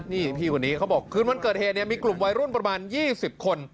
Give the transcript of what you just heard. นี่พี่คนนี้เขาบอกคืนวันเกิดเหตุเนี่ยมีกลุ่มวัยรุ่นประมาณ๒๐คน